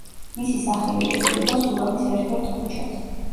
მისი სახელი ეწოდება სურამის ერთ-ერთ ქუჩას.